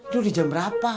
dulu jam berapa